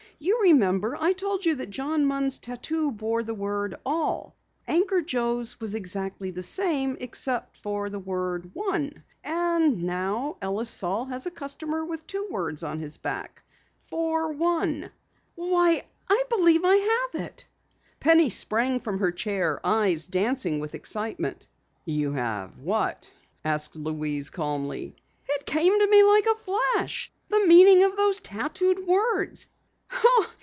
You remember I told you that John Munn's tattoo bore the word All. Anchor Joe's was exactly the same except for the word, One. And now Ellis Saal has a customer with two words on his back: For One. Why, I believe I have it!" Penny sprang from her chair, eyes dancing with excitement. "You have what?" asked Louise calmly. "It came to me like a flash the meaning of those tattooed words!